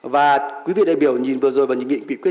và quý vị đại biểu nhìn vừa rồi vào những nghị quyết